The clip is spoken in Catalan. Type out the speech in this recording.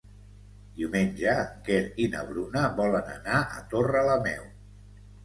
Diumenge en Quer i na Bruna volen anar a Torrelameu.